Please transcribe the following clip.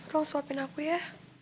kamu tolong suapin aku ya